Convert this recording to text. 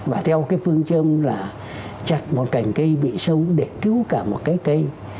và theo phương châm là chặt một cành cây bị sâu để cứu cả một cây cây